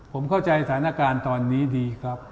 ผมเข้าใจสถานการณ์ตอนนี้ดีครับ